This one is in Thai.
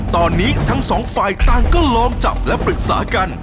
ตอนนี้ทั้งสองฝ่ายต่างก็ล้อมจับและปรึกษากัน